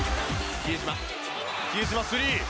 比江島、スリー！